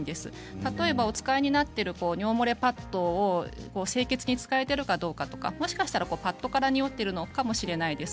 例えば、お使いになっている尿漏れパッドを清潔に使えているかどうかとか、もしかしたらパッドからにおっているのかもしれないです。